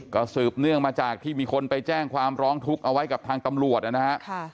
ก็สืบเนื่องมาจากที่มีคนไปแจ้งความร้องทุกข์เอาไว้กับทางตำรวจนะฮะ